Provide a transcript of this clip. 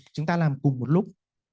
chúng ta làm cùng một lúc